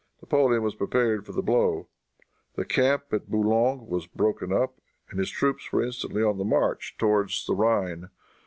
Napoleon was prepared for the blow. The camp at Boulogne was broken up, and his troops were instantly on the march towards the Rhine.